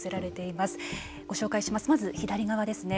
まず左側ですね。